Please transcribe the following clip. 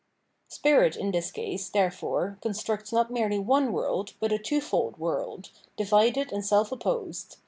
Spirit in this case, therefore, constructs not merely one world, but a twofold world, divided and self opposed.